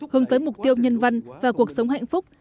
hướng tới mục tiêu nhân văn và cuộc sống hạnh phúc